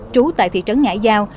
trú tại thị trấn ngãi giao